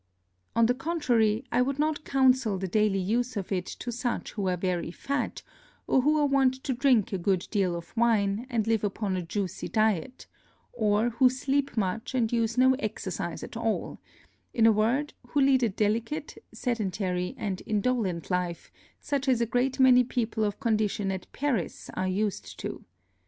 On the contrary, I would not counsel the daily Use of it to such who are very fat, or who are wont to drink a good deal of Wine, and live upon a juicy Diet, or who sleep much, and use no Exercise at all: In a word, who lead a delicate, sedentary, and indolent Life, such as a great many People of Condition at Paris are used to.